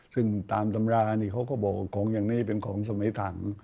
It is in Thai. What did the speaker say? ซึ่งตามตำรานี่เขาก็บอกของอย่างนี้เป็นของสมัยถัง